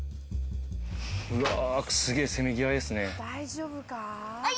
うわー、すげーせめぎ合いですね。